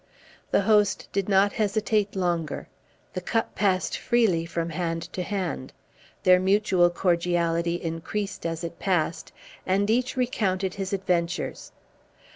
The host did not hesitate longer; the cup passed freely from hand to hand; their mutual cordiality increased as it passed, and each recounted his adventures.